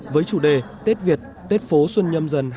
với chủ đề tết việt tết phố xuân nhâm dần hai nghìn hai mươi